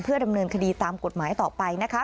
ดำเนินคดีตามกฎหมายต่อไปนะคะ